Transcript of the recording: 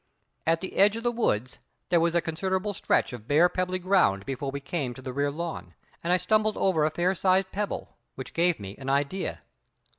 At the edge of the woods there was a considerable stretch of bare pebbly ground before we came to the rear lawn, and I stumbled over a fair sized pebble, which gave me an idea.